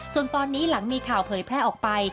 ส่วนตอนนี้หลังมีข่าวเผยแพร่ออกไป